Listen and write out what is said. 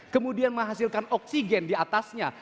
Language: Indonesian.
kemudian menghasilkan oksigen diatasnya